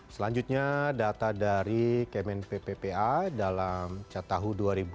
selanjutnya data dari kemen pppa dalam cat tahu dua ribu dua puluh satu